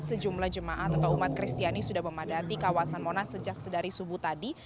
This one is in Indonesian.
sejumlah jemaat atau umat kristiani sudah memadati kawasan monas sejak sedari subuh tadi